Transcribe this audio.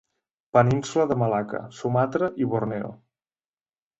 Península de Malacca, Sumatra i Borneo.